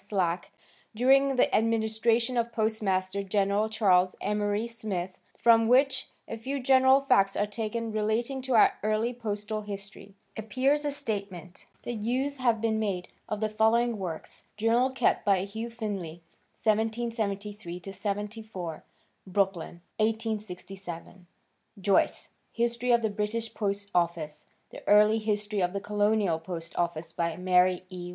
Slack during the administration of Postmaster General Charles Emory Smith from which a few general facts are taken relating to our early postal history, appears a statement that use had been made of the following works—Journal kept by Hugh Finlay, 1773 74, Brooklyn, 1867. Joyce "History of the British Post Office; The Early History of the Colonial Post Office by Mary E.